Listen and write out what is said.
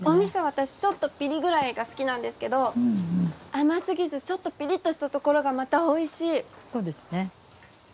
私ちょっとピリくらいが好きなんですけど甘すぎずちょっとピリっとしたところがまたおいしい！